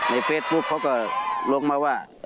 ในเฟซบุ๊กเขาก็ลงมาว่า